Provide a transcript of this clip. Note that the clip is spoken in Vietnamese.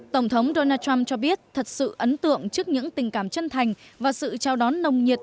tổng thống donald trump cho biết thật sự ấn tượng trước những tình cảm chân thành và sự chào đón nồng nhiệt